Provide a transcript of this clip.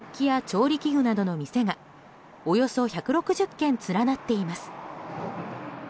かっぱ橋道具街には食器や調理器具などの店がおよそ１６０軒連なっています。